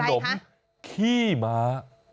ขนมขี้ม้า